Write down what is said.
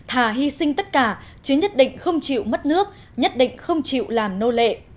thà hy sinh tất cả chứ nhất định không chịu mất nước nhất định không chịu làm nô lệ